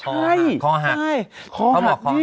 ใช่ดังขอหัก